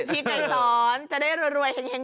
พี่แก๊ส้อนจะได้เงินเงียงปัง